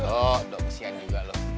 oh dok kesian juga lu